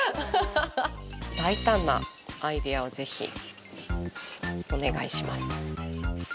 大胆なアイデアをぜひお願いします。